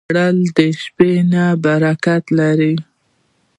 خوړل د شپهنۍ برکت لري